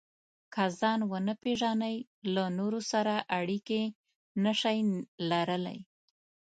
که ځان ونه پېژنئ، له نورو سره اړیکې نشئ لرلای.